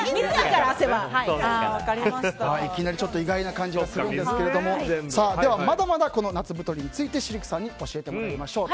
いきなりちょっと意外な感じがするんですけどもでは、まだまだこの夏太りについてシルクさんに教えてもらいましょう。